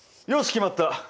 決まった！